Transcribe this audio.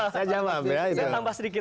saya tambah sedikit